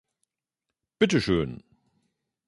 Bitteschön!